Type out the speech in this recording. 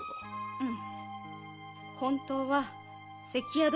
うん。